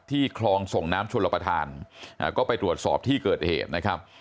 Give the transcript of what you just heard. คลองส่งน้ำชนลประธานก็ไปตรวจสอบที่เกิดเหตุนะครับ